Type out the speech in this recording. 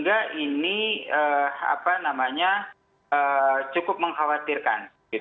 jadi ini adalah hal yang sangat penting untuk menghadapi ancaman hibrida yang terhadap perang